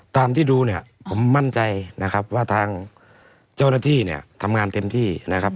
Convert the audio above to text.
ตามที่ดูเนี่ยผมมั่นใจนะครับว่าทางเจ้าหน้าที่เนี่ยทำงานเต็มที่นะครับ